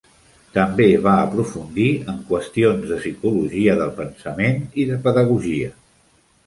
També va aprofundir en qüestions de psicologia del pensament i de pedagogia.